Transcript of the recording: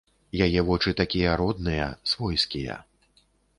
Яе вочы такія родныя, свойскія.